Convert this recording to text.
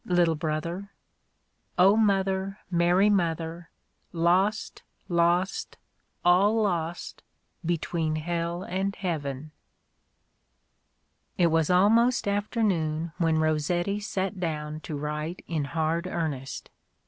Little brother I" (O Mother, Mary Mother, Lost, lost, all lost, between Hell and Heaven /) A DAY WITH ROSSETTI. It was almost afternoon when Rossetti sat down to write in hard earnest.